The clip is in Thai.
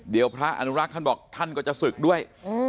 เดี๋ยวพระอนุรักษ์ท่านบอกท่านก็จะศึกด้วย